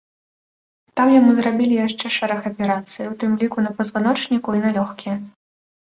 Там яму зрабілі яшчэ шэраг аперацый, у тым ліку на пазваночніку і на лёгкія.